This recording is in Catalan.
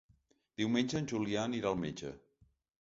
Diumenge en Julià anirà al metge.